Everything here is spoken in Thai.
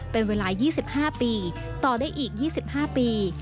เป็นเวลา๒๕ปีต่อได้อีก๒๕ปี